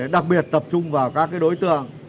đặc biệt tập trung vào các đối tượng